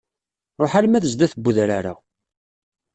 Ruḥ alma d sdat n wedrar-a.